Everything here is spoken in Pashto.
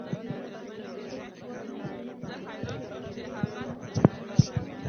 تیاره د بکټریاوو د نمو لپاره مناسب محیط دی.